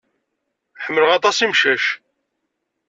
Ḥemmleɣ aṭas imcac.